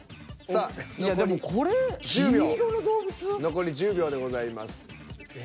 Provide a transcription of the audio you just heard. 残り１０秒でございます。